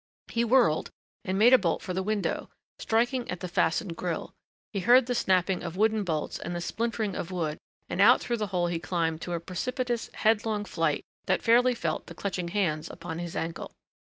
He whirled and made a bolt for the window, striking at the fastened grill. He heard the snapping of wooden bolts and the splintering of wood and out through the hole he climbed to a precipitous, head long flight that fairly felt the clutching hands upon his ankle.